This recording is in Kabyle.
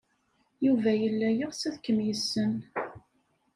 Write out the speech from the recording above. Yuba yella yeɣs ad kem-yessen.